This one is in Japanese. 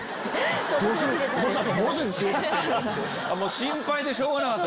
心配でしょうがなかった？